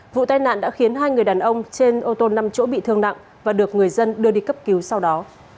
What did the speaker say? vụ tai nạn đã khiến hai người đàn ông trên ô tô năm chỗ bị thương nặng và được người dân đưa đi cấp cứu sau đó